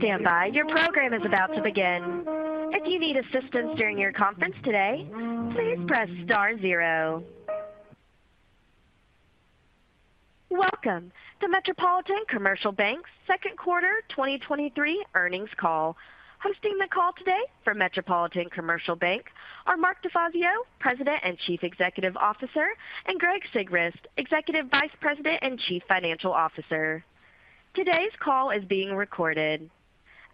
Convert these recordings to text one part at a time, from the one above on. Please stand by. Your program is about to begin. If you need assistance during your conference today, please press star zero. Welcome to Metropolitan Commercial Bank's second quarter 2023 earnings call. Hosting the call today for Metropolitan Commercial Bank are Mark DeFazio, President and Chief Executive Officer, and Greg Sigrist, Executive Vice President and Chief Financial Officer. Today's call is being recorded.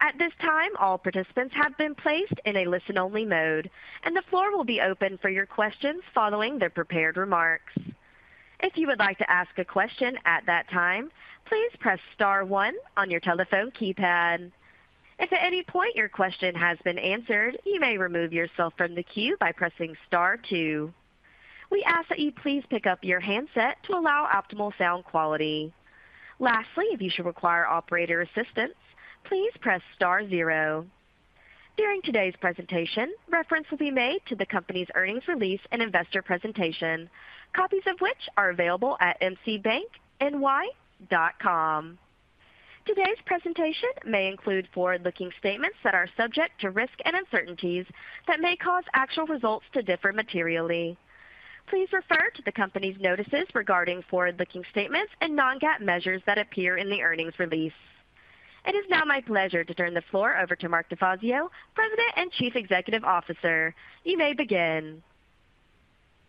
At this time, all participants have been placed in a listen-only mode, and the floor will be open for your questions following the prepared remarks. If you would like to ask a question at that time, please press star one on your telephone keypad. If at any point your question has been answered, you may remove yourself from the queue by pressing star two. We ask that you please pick up your handset to allow optimal sound quality. If you should require operator assistance, please press star zero. During today's presentation, reference will be made to the company's earnings release and investor presentation, copies of which are available at mcbankny.com. Today's presentation may include forward-looking statements that are subject to risk and uncertainties that may cause actual results to differ materially. Please refer to the company's notices regarding forward-looking statements and non-GAAP measures that appear in the earnings release. It is now my pleasure to turn the floor over to Mark DeFazio, President and Chief Executive Officer. You may begin.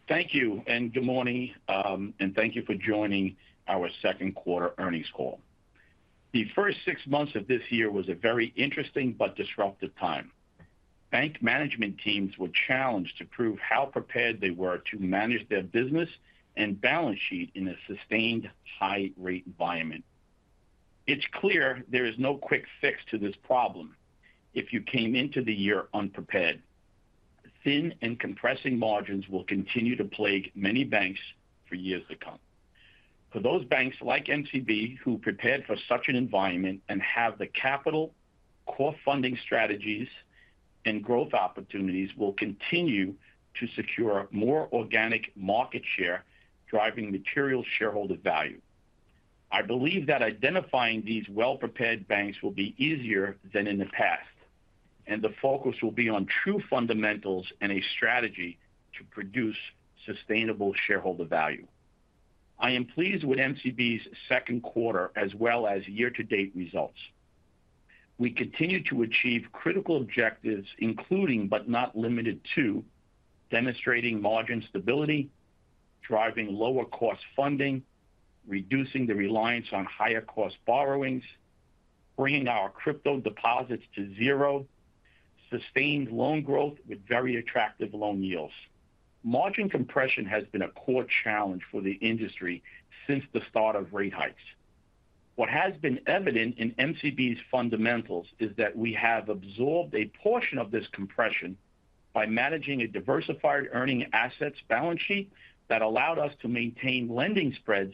Thank you, and good morning, and thank you for joining our second quarter earnings call. The first six months of this year was a very interesting but disruptive time. Bank management teams were challenged to prove how prepared they were to manage their business and balance sheet in a sustained high-rate environment. It's clear there is no quick fix to this problem if you came into the year unprepared. Thin and compressing margins will continue to plague many banks for years to come. For those banks like MCB, who prepared for such an environment and have the capital, core funding strategies, and growth opportunities, will continue to secure more organic market share, driving material shareholder value. I believe that identifying these well-prepared banks will be easier than in the past, and the focus will be on true fundamentals and a strategy to produce sustainable shareholder value. I am pleased with MCB's second quarter as well as year-to-date results. We continue to achieve critical objectives, including, but not limited to, demonstrating margin stability, driving lower-cost funding, reducing the reliance on higher-cost borrowings, bringing our crypto deposits to zero, sustained loan growth with very attractive loan yields. Margin compression has been a core challenge for the industry since the start of rate hikes. What has been evident in MCB's fundamentals is that we have absorbed a portion of this compression by managing a diversified earning assets balance sheet that allowed us to maintain lending spreads,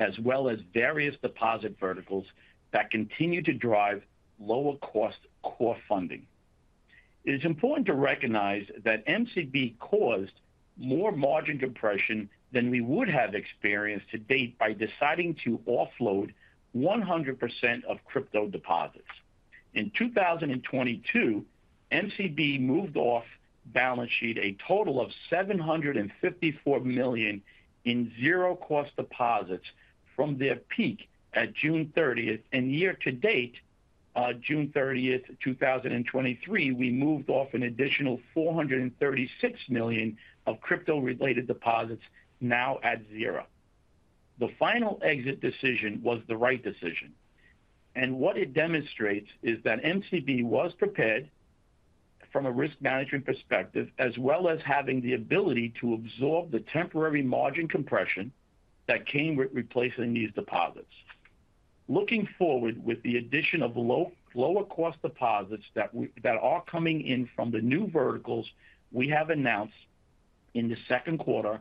as well as various deposit verticals that continue to drive lower-cost core funding. It is important to recognize that MCB caused more margin compression than we would have experienced to date by deciding to offload 100% of crypto deposits. In 2022, MCB moved off balance sheet a total of $754 million in zero cost deposits from their peak at June 30th. Year-to-date, June 30th, 2023, we moved off an additional $436 million of crypto-related deposits, now at zero. The final exit decision was the right decision, and what it demonstrates is that MCB was prepared from a risk management perspective, as well as having the ability to absorb the temporary margin compression that came with replacing these deposits. Looking forward, with the addition of lower cost deposits that we... That are coming in from the new verticals we have announced in the second quarter,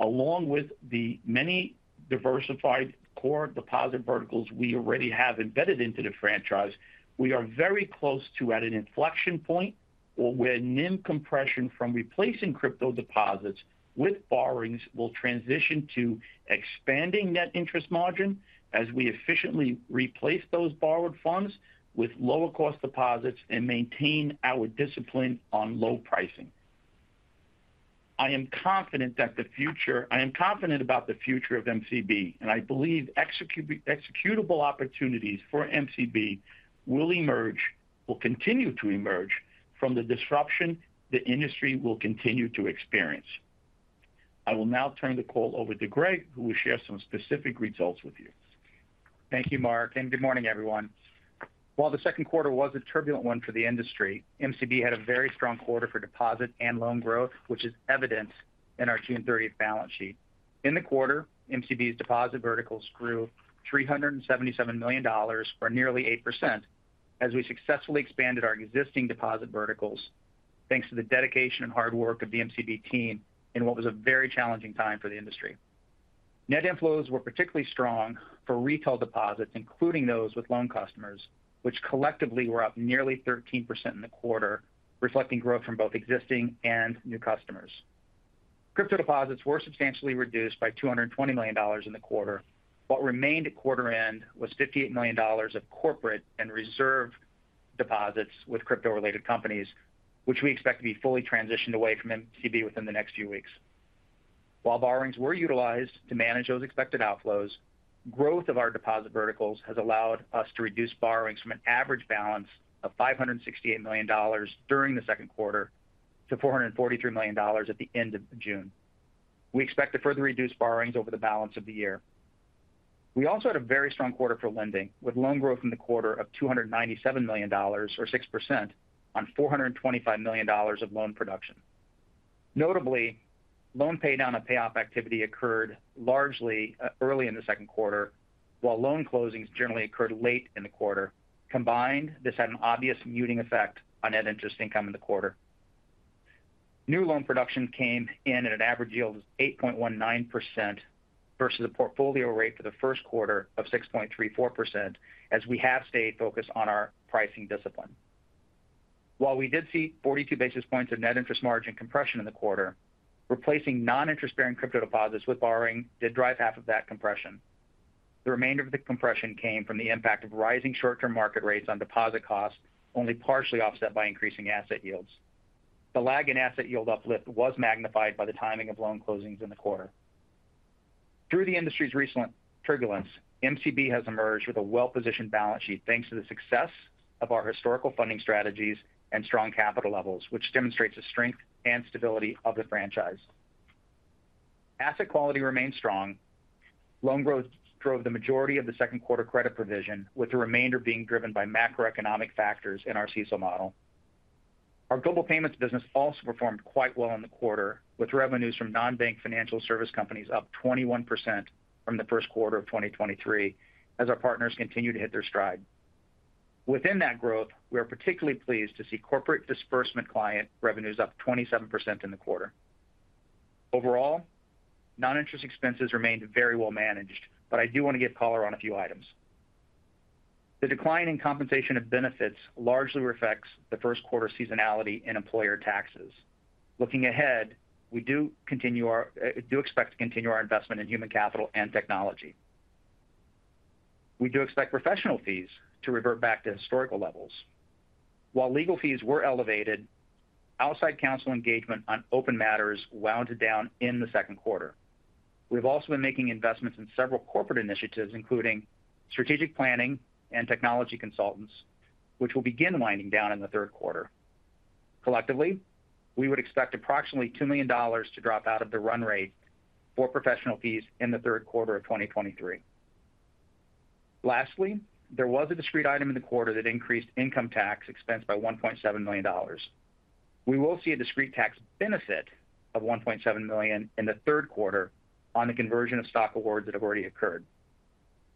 along with the many diversified core deposit verticals we already have embedded into the franchise, we are very close to at an inflection point where NIM compression from replacing crypto deposits with borrowings will transition to expanding net interest margin as we efficiently replace those borrowed funds with lower cost deposits and maintain our discipline on low pricing. I am confident about the future of MCB, and I believe executable opportunities for MCB will continue to emerge from the disruption the industry will continue to experience. I will now turn the call over to Greg, who will share some specific results with you. Thank you, Mark. Good morning, everyone. While the second quarter was a turbulent one for the industry, MCB had a very strong quarter for deposit and loan growth, which is evident in our June 30th balance sheet. In the quarter, MCB's deposit verticals grew $377 million, or nearly 8%, as we successfully expanded our existing deposit verticals, thanks to the dedication and hard work of the MCB team in what was a very challenging time for the industry. Net inflows were particularly strong for retail deposits, including those with loan customers, which collectively were up nearly 13% in the quarter, reflecting growth from both existing and new customers. Crypto deposits were substantially reduced by $220 million in the quarter. What remained at quarter end was $58 million of corporate and reserve deposits with crypto-related companies, which we expect to be fully transitioned away from MCB within the next few weeks. Borrowings were utilized to manage those expected outflows, growth of our deposit verticals has allowed us to reduce borrowings from an average balance of $568 million during the second quarter to $443 million at the end of June. We expect to further reduce borrowings over the balance of the year. We also had a very strong quarter for lending, with loan growth in the quarter of $297 million or 6% on $425 million of loan production. Notably, loan pay down and payoff activity occurred largely early in the second quarter, while loan closings generally occurred late in the quarter. Combined, this had an obvious muting effect on net interest income in the quarter. New loan production came in at an average yield of 8.19% versus a portfolio rate for the first quarter of 6.34%, as we have stayed focused on our pricing discipline. While we did see 42 basis points of net interest margin compression in the quarter, replacing non-interest-bearing crypto deposits with borrowing did drive half of that compression. The remainder of the compression came from the impact of rising short-term market rates on deposit costs, only partially offset by increasing asset yields. The lag in asset yield uplift was magnified by the timing of loan closings in the quarter. Through the industry's recent turbulence, MCB has emerged with a well-positioned balance sheet, thanks to the success of our historical funding strategies and strong capital levels, which demonstrates the strength and stability of the franchise. Asset quality remains strong. Loan growth drove the majority of the second quarter credit provision, with the remainder being driven by macroeconomic factors in our CECL model. Our global payments business also performed quite well in the quarter, with revenues from non-bank financial service companies up 21% from the first quarter of 2023, as our partners continue to hit their stride. Within that growth, we are particularly pleased to see corporate disbursement client revenues up 27% in the quarter. Non-interest expenses remained very well managed, but I do want to get color on a few items. The decline in compensation of benefits largely reflects the first quarter seasonality in employer taxes. Looking ahead, we do expect to continue our investment in human capital and technology. We do expect professional fees to revert back to historical levels. While legal fees were elevated, outside counsel engagement on open matters wound down in the second quarter. We've also been making investments in several corporate initiatives, including strategic planning and technology consultants, which will begin winding down in the third quarter. Collectively, we would expect approximately $2 million to drop out of the run rate for professional fees in the third quarter of 2023. Lastly, there was a discrete item in the quarter that increased income tax expense by $1.7 million. We will see a discrete tax benefit of $1.7 million in the third quarter on the conversion of stock awards that have already occurred.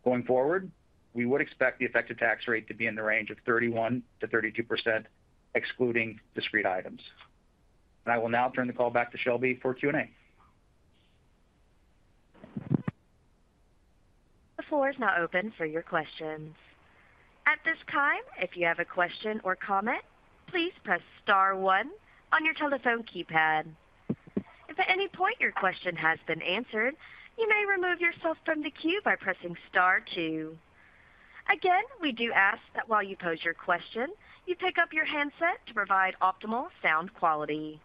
Going forward, we would expect the effective tax rate to be in the range of 31%-32%, excluding discrete items. I will now turn the call back to Shelby for Q&A. The floor is now open for your questions. At this time, if you have a question or comment, please press star one on your telephone keypad. If at any point your question has been answered, you may remove yourself from the queue by pressing star two. Again, we do ask that while you pose your question, you pick up your handset to provide optimal sound quality.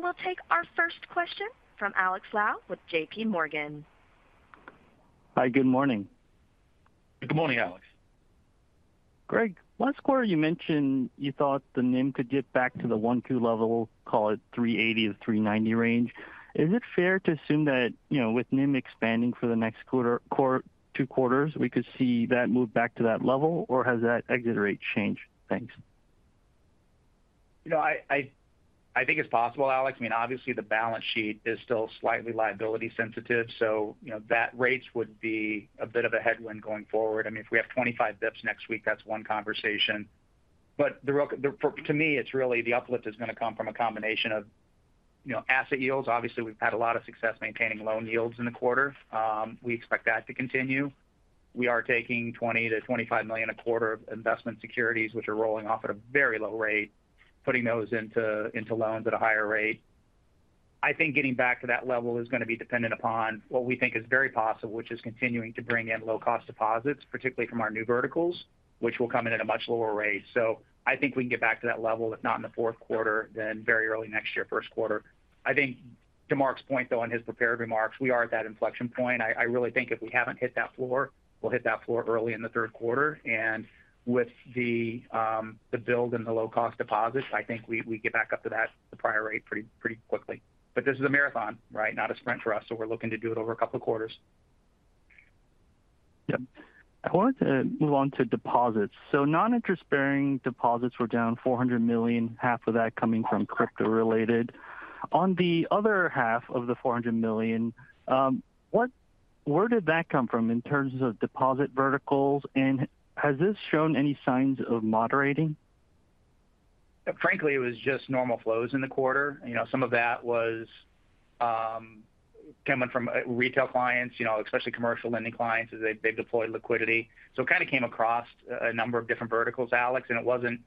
We'll take our first question from Alex Lau with JPMorgan. Hi, good morning. Good morning, Alex. Greg, last quarter you mentioned you thought the NIM could get back to the 1.2% level, call it 3.80%-3.90% range. Is it fair to assume that, you know, with NIM expanding for the next quarter, two quarters, we could see that move back to that level, or has that exit rate changed? Thanks. You know, I think it's possible, Alex. I mean, obviously the balance sheet is still slightly liability sensitive, so you know, that rates would be a bit of a headwind going forward. I mean, if we have 25 dips next week, that's one conversation. To me, it's really the uplift is going to come from a combination of, you know, asset yields. Obviously, we've had a lot of success maintaining loan yields in the quarter. We expect that to continue. We are taking $20 million-$25 million a quarter of investment securities, which are rolling off at a very low rate, putting those into loans at a higher rate. I think getting back to that level is going to be dependent upon what we think is very possible, which is continuing to bring in low-cost deposits, particularly from our new verticals, which will come in at a much lower rate. I think we can get back to that level, if not in the fourth quarter, then very early next year, first quarter. I think to Mark's point, though, on his prepared remarks, we are at that inflection point. I really think if we haven't hit that floor, we'll hit that floor early in the third quarter. With the build and the low-cost deposits, I think we get back up to that prior rate pretty quickly. This is a marathon, right? Not a sprint for us, so we're looking to do it over a couple of quarters. Yep. I wanted to move on to deposits. Non-interest-bearing deposits were down $400 million, half of that coming from crypto related. On the other half of the $400 million, where did that come from in terms of deposit verticals, and has this shown any signs of moderating? Frankly, it was just normal flows in the quarter. You know, some of that was coming from retail clients, you know, especially commercial lending clients as they deploy liquidity. Kind of came across a number of different verticals, Alex, and it wasn't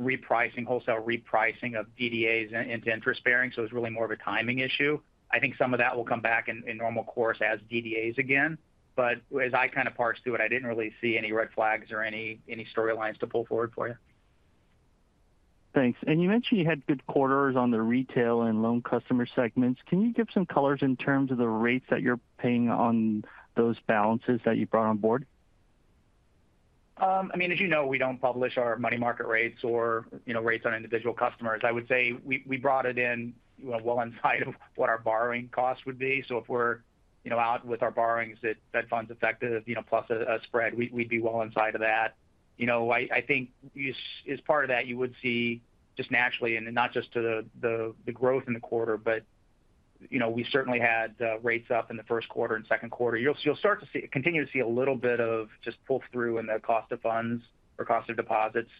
repricing, wholesale repricing of DDAs and interest bearing, so it's really more of a timing issue. I think some of that will come back in normal course as DDAs again. As I kind of parsed through it, I didn't really see any red flags or any storylines to pull forward for you. Thanks. You mentioned you had good quarters on the retail and loan customer segments. Can you give some colors in terms of the rates that you're paying on those balances that you brought on board? I mean, as you know, we don't publish our money market rates or, you know, rates on individual customers. I would say we brought it in, well inside of what our borrowing costs would be. If we're, you know, out with our borrowings, that fed funds effective, you know, plus a spread, we'd be well inside of that. You know, I think as part of that, you would see just naturally, and not just to the growth in the quarter, but, you know, we certainly had rates up in the first quarter and second quarter. You'll start to see continue to see a little bit of just pull-through in the cost of funds or cost of deposits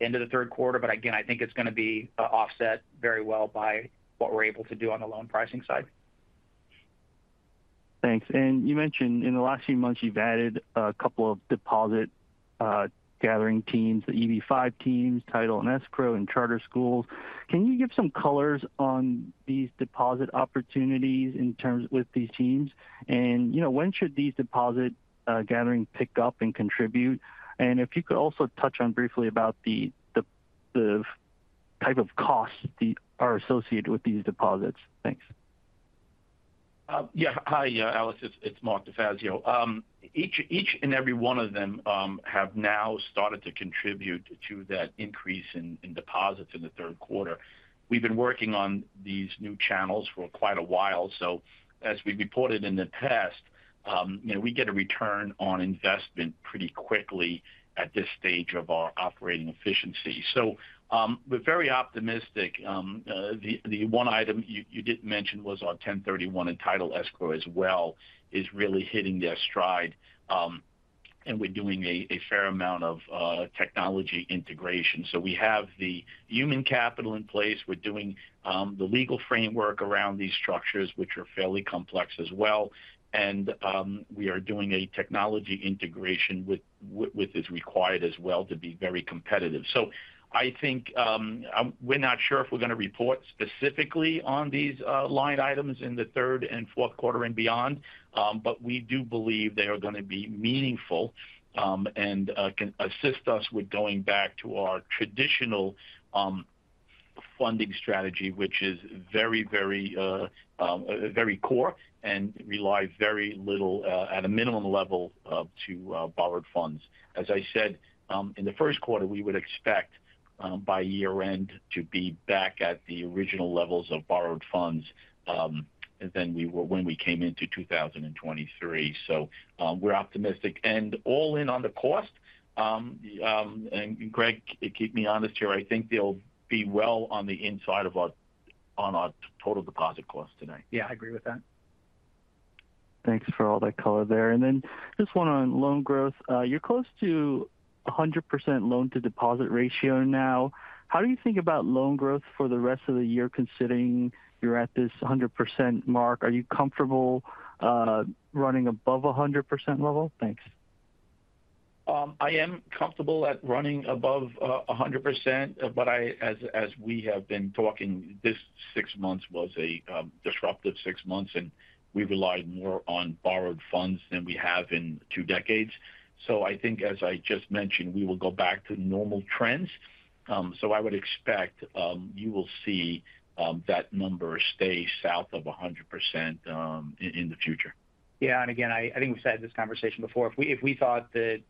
into the third quarter. Again, I think it's going to be offset very well by what we're able to do on the loan pricing side. Thanks. You mentioned in the last few months, you've added a couple of deposit gathering teams, the EB-5 teams, Title and Escrow and charter schools. Can you give some colors on these deposit opportunities in terms with these teams? You know, when should these deposit gathering pick up and contribute? If you could also touch on briefly about the type of costs are associated with these deposits. Thanks. Yeah. Hi, Alex, it's Mark DeFazio. Each and every one of them have now started to contribute to that increase in deposits in the third quarter. We've been working on these new channels for quite a while, as we've reported in the past, you know, we get a return on investment pretty quickly at this stage of our operating efficiency. We're very optimistic. The one item you didn't mention was our 1031 and Title & Escrow as well, is really hitting their stride, and we're doing a fair amount of technology integration. We have the human capital in place. We're doing the legal framework around these structures, which are fairly complex as well. We are doing a technology integration with is required as well to be very competitive. I think we're not sure if we're going to report specifically on these line items in the third and fourth quarter and beyond, but we do believe they are going to be meaningful and can assist us with going back to our traditional funding strategy, which is very core and relies very little at a minimum level to borrowed funds. As I said, in the first quarter, we would expect by year end to be back at the original levels of borrowed funds than we were when we came into 2023. We're optimistic. All in on the cost, and Greg, keep me honest here, I think they'll be well on the inside of on our total deposit cost today. Yeah, I agree with that. Thanks for all that color there. Then just one on loan growth. You're close to 100% loan-to-deposit ratio now. How do you think about loan growth for the rest of the year, considering you're at this 100% mark? Are you comfortable running above a 100% level? Thanks. I am comfortable at running above 100%, but as we have been talking, this six months was a disruptive six months, and we relied more on borrowed funds than we have in two decades. I think, as I just mentioned, we will go back to normal trends. I would expect, you will see, that number stay south of 100% in the future. Again, I think we've had this conversation before. If we thought that,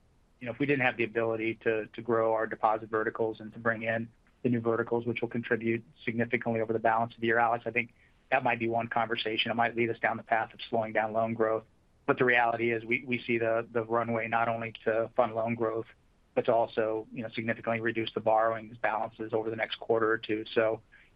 you know, if we didn't have the ability to grow our deposit verticals and to bring in the new verticals, which will contribute significantly over the balance of the year, Alex, I think that might be one conversation. It might lead us down the path of slowing down loan growth. The reality is, we see the runway not only to fund loan growth, but to also, you know, significantly reduce the borrowings balances over the next quarter or two.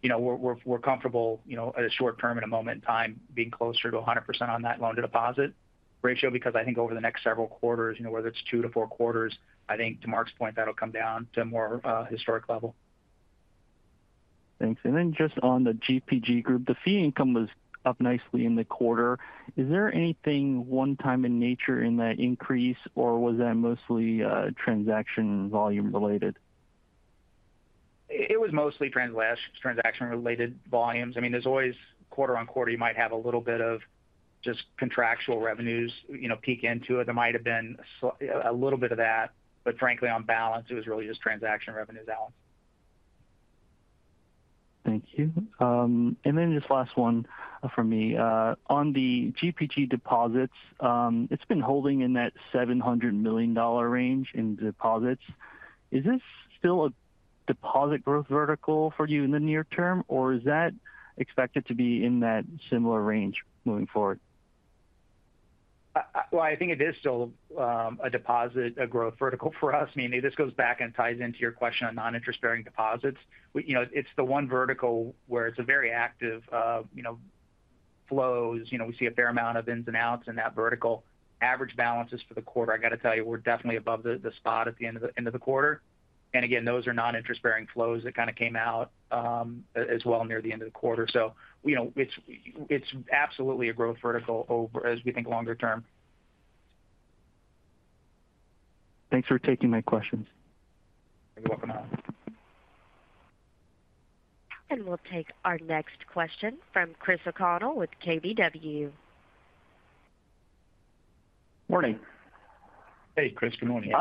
you know, we're comfortable, you know, at a short term, in a moment in time, being closer to 100% on that loan-to-deposit ratio, because I think over the next several quarters, you know, whether it's two to four quarters, I think to Mark's point, that'll come down to a more historic level. Thanks. Just on the GPG group, the fee income was up nicely in the quarter. Is there anything one-time in nature in that increase, or was that mostly, transaction volume related? It was mostly transaction-related volumes. I mean, there's always quarter-over-quarter, you might have a little bit of just contractual revenues, you know, peek into it. There might have been a little bit of that, frankly, on balance, it was really just transaction revenues, Alex. Thank you. This last one from me. On the GPG deposits, it's been holding in that $700 million range in deposits. Is this still a deposit growth vertical for you in the near term, or is that expected to be in that similar range moving forward? Well, I think it is still a deposit, a growth vertical for us. I mean, this goes back and ties into your question on non-interest-bearing deposits. You know, it's the one vertical where it's a very active, you know, flows. You know, we see a fair amount of ins and outs in that vertical. Average balances for the quarter, I got to tell you, we're definitely above the spot at the end of the quarter. Again, those are non-interest-bearing flows that kind of came out as well near the end of the quarter. You know, it's absolutely a growth vertical over as we think longer term. Thanks for taking my questions. You're welcome. We'll take our next question from Christopher O'Connell with KBW. Morning. Hey, Chris. Good morning.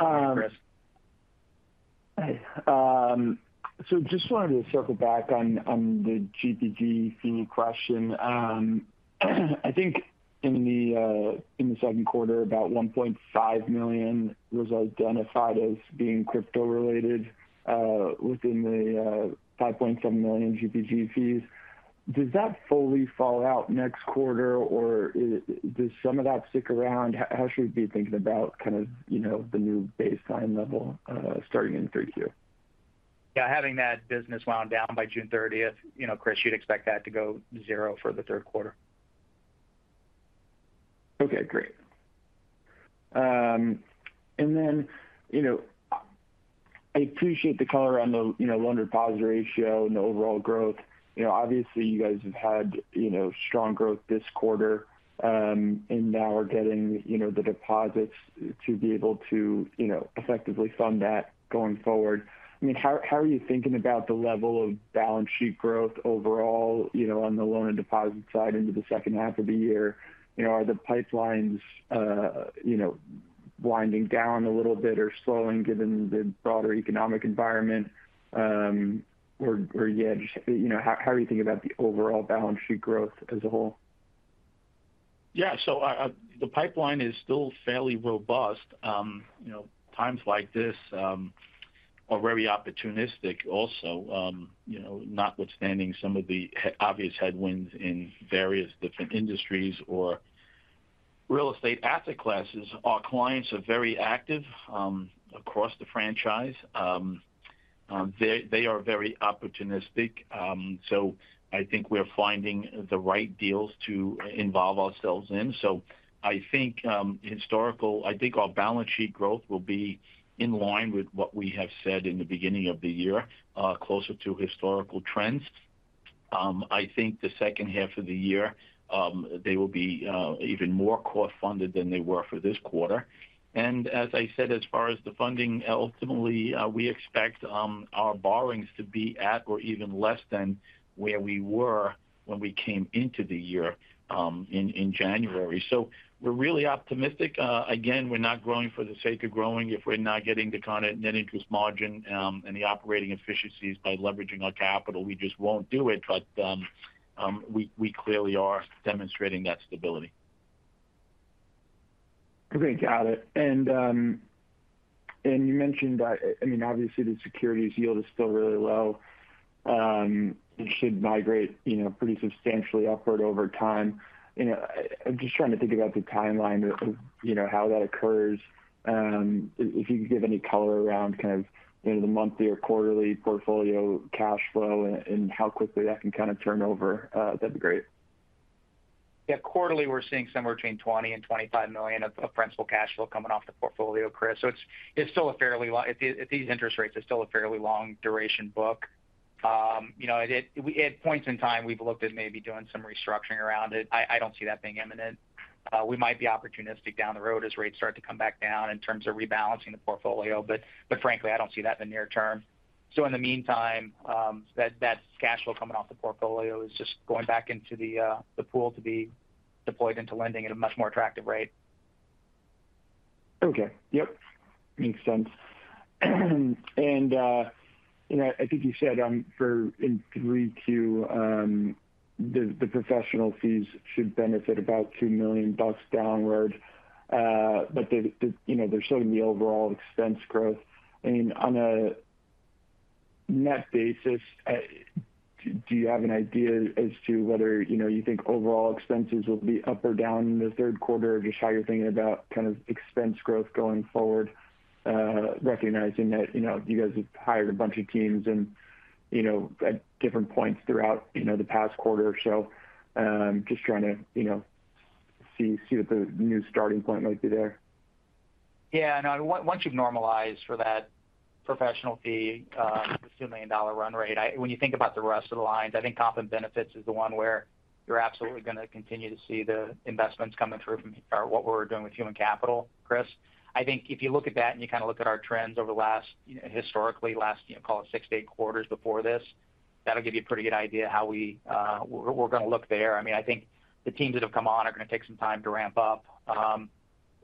Hey, Chris. Hey, just wanted to circle back on the GPG fee question. I think in the second quarter, about $1.5 million was identified as being crypto related, within the $5.7 million GPG fees. Does that fully fall out next quarter, or does some of that stick around? How should we be thinking about kind of, you know, the new baseline level, starting in 3Q? Yeah, having that business wound down by June 30th, you know, Chris, you'd expect that to go zero for the third quarter. Okay, great. Then, you know, I appreciate the color on the, you know, loan deposit ratio and the overall growth. You know, obviously, you guys have had, you know, strong growth this quarter, and now are getting, you know, the deposits to be able to, you know, effectively fund that going forward. I mean, how are you thinking about the level of balance sheet growth overall, you know, on the loan and deposit side into the second half of the year? You know, are the pipelines, you know, winding down a little bit or slowing given the broader economic environment? Yet, you know, how are you thinking about the overall balance sheet growth as a whole? Yeah. The pipeline is still fairly robust. You know, times like this are very opportunistic also. You know, notwithstanding some of the obvious headwinds in various different industries or real estate asset classes, our clients are very active across the franchise. They are very opportunistic. I think we're finding the right deals to involve ourselves in. I think our balance sheet growth will be in line with what we have said in the beginning of the year, closer to historical trends. I think the second half of the year, they will be even more core funded than they were for this quarter. As I said, as far as the funding, ultimately, we expect our borrowings to be at or even less than where we were when we came into the year in January. We're really optimistic. Again, we're not growing for the sake of growing. If we're not getting the kind of net interest margin and the operating efficiencies by leveraging our capital, we just won't do it. We clearly are demonstrating that stability. Okay, got it. You mentioned that, I mean, obviously, the securities yield is still really low. It should migrate, you know, pretty substantially upward over time. You know, I'm just trying to think about the timeline of, you know, how that occurs. If you could give any color around kind of, you know, the monthly or quarterly portfolio cash flow and how quickly that can kind of turn over, that'd be great. Yeah. Quarterly, we're seeing somewhere between $20 million and $25 million of principal cash flow coming off the portfolio, Chris. It's still a fairly long duration book at these interest rates. You know, at points in time, we've looked at maybe doing some restructuring around it. I don't see that being imminent. We might be opportunistic down the road as rates start to come back down in terms of rebalancing the portfolio, but frankly, I don't see that in the near term. In the meantime, that cash flow coming off the portfolio is just going back into the pool to be deployed into lending at a much more attractive rate. Okay. Make sense. I think you said in 3Q to the professional fees should benefit about $2 million-plus downwards, but they're showing the overall expense growth. On a net basis, do you have an idea as to whether you think overall expenses will be up or down in the third quarter, or just how you're thinking about kind of expense growth going forward, recognizing that you guys have hired a bunch of teams at different points throughout the past quarter or so, just trying to see what the new starting point be there. I know. Once you've normalized for that professional fee, the $2 million run rate, when you think about the rest of the lines, I think comp and benefits is the one where you're absolutely going to continue to see the investments coming through from what we're doing with human capital, Chris. I think if you look at that and you kind of look at our trends over the last, historically last, you know, call it six to eight quarters before this, that'll give you a pretty good idea how we're going to look there. I mean, I think the teams that have come on are going to take some time to ramp up.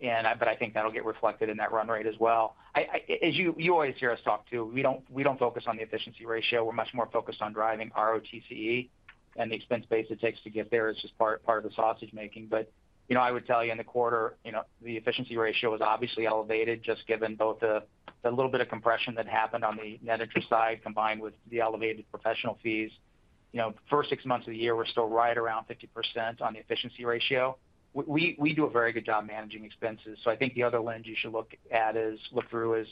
I think that'll get reflected in that run rate as well. As you always hear us talk too, we don't focus on the efficiency ratio. We're much more focused on driving ROTCE and the expense base it takes to get there is just part of the sausage making. You know, I would tell you in the quarter, you know, the efficiency ratio is obviously elevated, just given both the little bit of compression that happened on the net interest side, combined with the elevated professional fees. You know, the first six months of the year, we're still right around 50% on the efficiency ratio. We do a very good job managing expenses. I think the other lens you should look through is,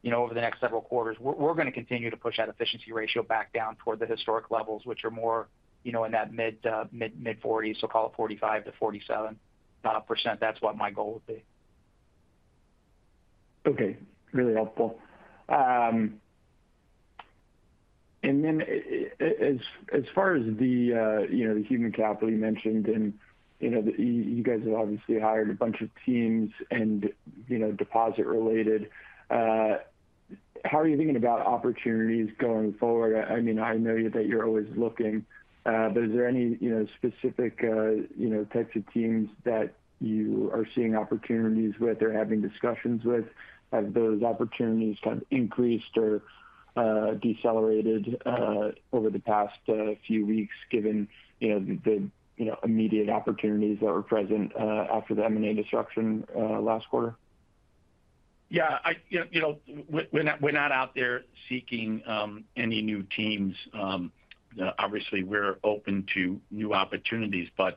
you know, over the next several quarters, we're going to continue to push that efficiency ratio back down toward the historic levels, which are more, you know, in that mid-forties. Call it 45%-47%. That's what my goal would be.... Okay, really helpful. As far as the, you know, the human capital you mentioned, and, you know, you guys have obviously hired a bunch of teams and, you know, deposit related. How are you thinking about opportunities going forward? I mean, I know that you're always looking, but is there any, you know, specific, you know, types of teams that you are seeing opportunities with or having discussions with? Have those opportunities kind of increased or decelerated over the past few weeks, given, you know, the, you know, immediate opportunities that were present after the M&A disruption last quarter? Yeah, you know, we're not, we're not out there seeking any new teams. Obviously, we're open to new opportunities, but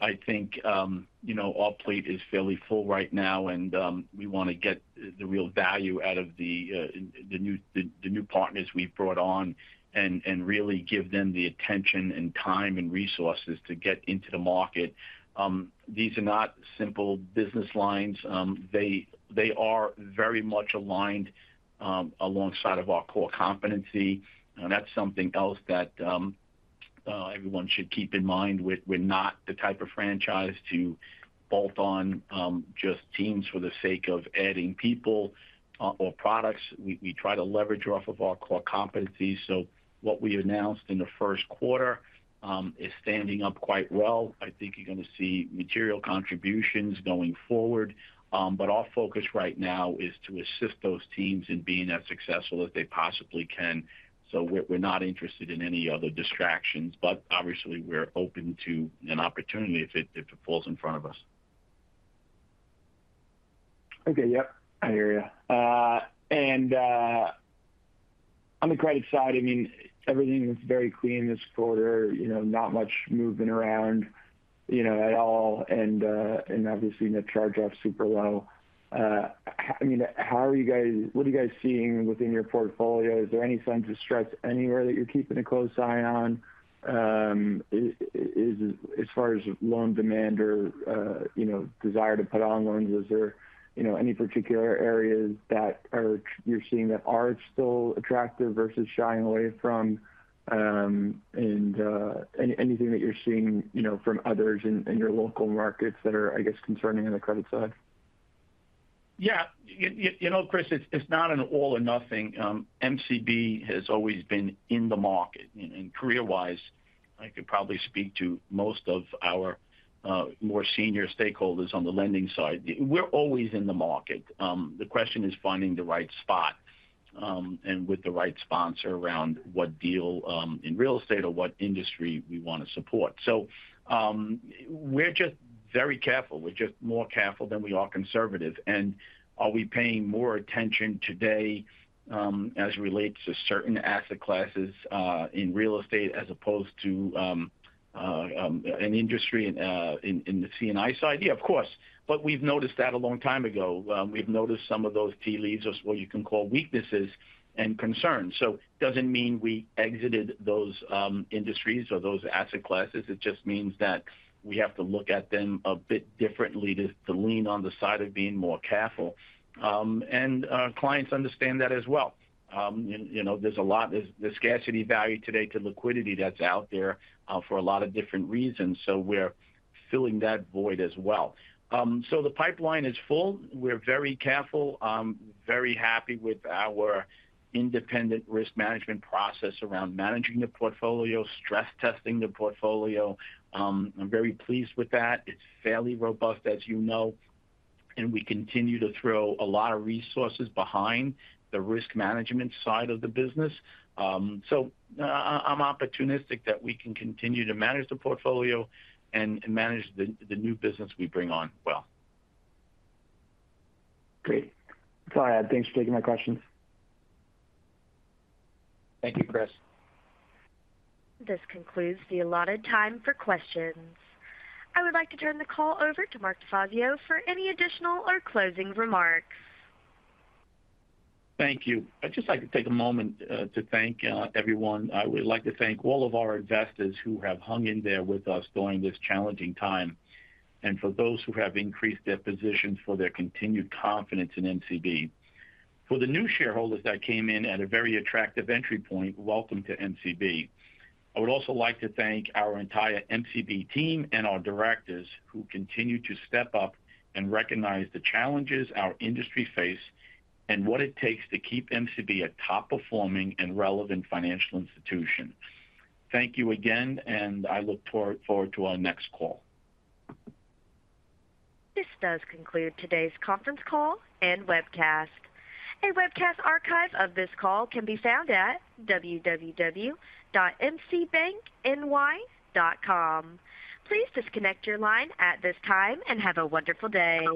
I think, you know, our plate is fairly full right now, and we want to get the real value out of the new, the new partners we've brought on and really give them the attention and time and resources to get into the market. These are not simple business lines. They are very much aligned alongside of our core competency. That's something else that everyone should keep in mind. We're not the type of franchise to bolt on just teams for the sake of adding people or products. We try to leverage off of our core competencies. What we announced in the first quarter is standing up quite well. I think you're going to see material contributions going forward. Our focus right now is to assist those teams in being as successful as they possibly can. We're not interested in any other distractions, but obviously we're open to an opportunity if it, if it falls in front of us. Okay. Yep, I hear you. On the credit side, I mean, everything is very clean this quarter, you know, not much moving around, you know, at all. Obviously, the charge-off is super low. I mean, what are you guys seeing within your portfolio? Is there any signs of stress anywhere that you're keeping a close eye on? As far as loan demand or, you know, desire to put on loans, is there, you know, any particular areas that you're seeing that are still attractive versus shying away from? Anything that you're seeing, you know, from others in your local markets that are, I guess, concerning on the credit side? Yeah. You know, Chris, it's not an all or nothing. MCB has always been in the market. Career-wise, I could probably speak to most of our more senior stakeholders on the lending side. We're always in the market. The question is finding the right spot, and with the right sponsor around what deal in real estate or what industry we want to support. We're just very careful. We're just more careful than we are conservative. Are we paying more attention today as it relates to certain asset classes in real estate as opposed to an industry in the C&I side? Yeah, of course. We've noticed that a long time ago. We've noticed some of those tea leaves, as what you can call weaknesses and concerns. It doesn't mean we exited those industries or those asset classes. It just means that we have to look at them a bit differently to lean on the side of being more careful. And clients understand that as well. You know, there's scarcity value today to liquidity that's out there for a lot of different reasons. We're filling that void as well. The pipeline is full. We're very careful. Very happy with our independent risk management process around managing the portfolio, stress testing the portfolio. I'm very pleased with that. It's fairly robust, as you know, and we continue to throw a lot of resources behind the risk management side of the business. I'm opportunistic that we can continue to manage the portfolio and manage the new business we bring on well. Great. That's all I had. Thanks for taking my questions. Thank you, Chris. This concludes the allotted time for questions. I would like to turn the call over to Mark DeFazio for any additional or closing remarks. Thank you. I'd just like to take a moment to thank everyone. I would like to thank all of our investors who have hung in there with us during this challenging time, and for those who have increased their positions for their continued confidence in MCB. For the new shareholders that came in at a very attractive entry point, welcome to MCB. I would also like to thank our entire MCB team and our directors who continue to step up and recognize the challenges our industry face and what it takes to keep MCB a top-performing and relevant financial institution. Thank you again, and I look forward to our next call. This does conclude today's conference call and webcast. A webcast archive of this call can be found at www.mcbankny.com. Please disconnect your line at this time and have a wonderful day.